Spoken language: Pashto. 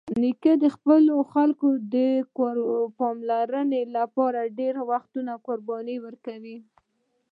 نیکه د خپلو خلکو د پاملرنې لپاره ډېری وختونه قرباني ورکوي.